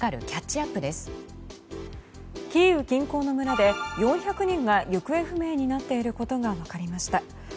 キーウ近郊の村で４００人が行方不明になっていることが分かりました。